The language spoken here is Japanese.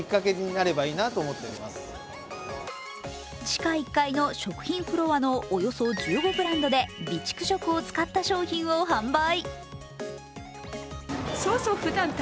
地下１階の食品フロアのおよそ１５ブランドで備蓄食を使った商品を販売。